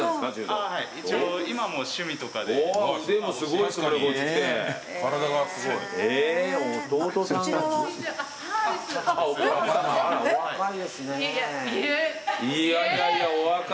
いやいやいやお若い。